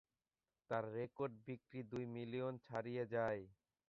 তার রেকর্ড বিক্রি দুই মিলিয়ন ছাড়িয়ে যায়।